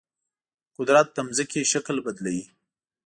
قدرت د ځمکې شکل بدلوي.